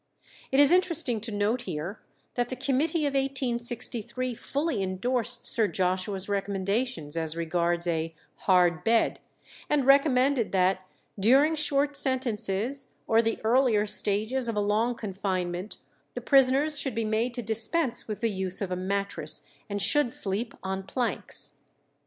It is interesting to note here that the committee of 1863 fully endorsed Sir Joshua's recommendations as regards a "hard bed," and recommended that "during short sentences, or the earlier stages of a long confinement, the prisoners should be made to dispense with the use of a mattress, and should sleep on planks."